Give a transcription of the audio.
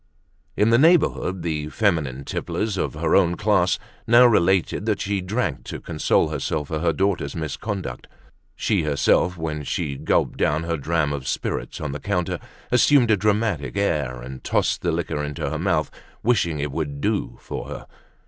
In the neighborhood the feminine tipplers of her own class now related that she drank to console herself for her daughter's misconduct. She herself, when she gulped down her dram of spirits on the counter, assumed a dramatic air, and tossed the liquor into her mouth, wishing it would "do" for her.